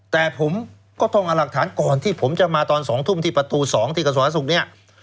แต่ผมก็ต้องเอาหลักฐานก่อนที่ผมจะมาตอน๒ทุ่มที่ประตู๒ที่กระทรวงศุกร์เนี่ย